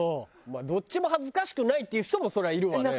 まあどっちも恥ずかしくないっていう人もそりゃいるわね。